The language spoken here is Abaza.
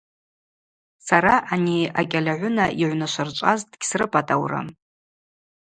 Сара ани акӏьальагӏвына йыгӏвнашвырчӏваз дгьсрыпӏатӏаурым.